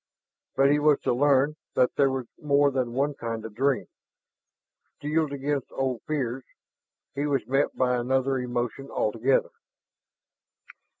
But he was to learn that there was more than one kind of dream. Steeled against old fears, he was met by another emotion altogether.